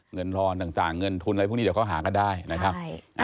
เงินทอนต่างเงินทุนอะไรพวกนี้เดี๋ยวเขาหากันได้นะครับ